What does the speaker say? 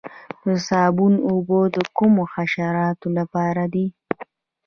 د صابون اوبه د کومو حشراتو لپاره دي؟